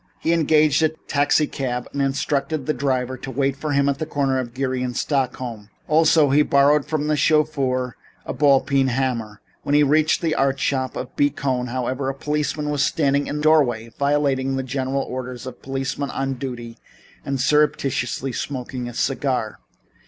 He engaged a taxicab and instructed the driver to wait for him at the corner of Geary and Stockton Streets. Also, he borrowed from the chauffeur a ball peen hammer. When he reached the art shop of B. Cohn, however, a policeman was standing in the doorway, violating the general orders of a policeman on duty by surreptitiously smoking a cigar.